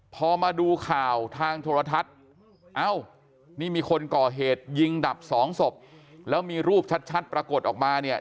พอมาดูข่าวทางโทรทัศน์เอ้านี่มีคนก่อเหตุยิงดับสองศพแล้วมีรูปชัดปรากฏออกมาเนี่ย